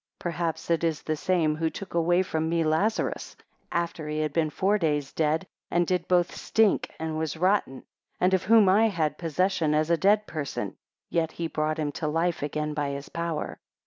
14 Perhaps it is the same who took away from me Lazarus, after he had been four days dead, and did both stink and was rotten, and of whom I had possession as a dead person, yet he brought him to life again by his power.